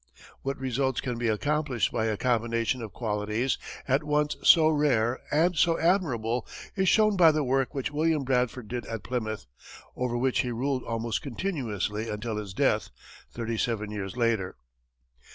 What results can be accomplished by a combination of qualities at once so rare and so admirable is shown by the work which William Bradford did at Plymouth, over which he ruled almost continuously until his death, thirty seven years later.